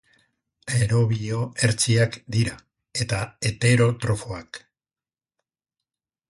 Aerobio hertsiak dira eta heterotrofoak.